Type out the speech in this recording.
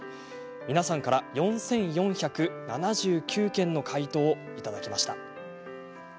皆さんから４４７９件の回答をいただきました。